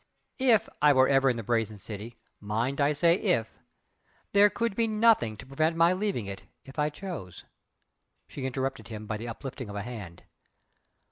IF I were ever in the 'Brazen City' mind! I say 'if' there could be nothing to prevent my leaving it if I chose " She interrupted him by the uplifting of a hand.